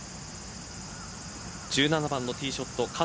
１７番のティーショット勝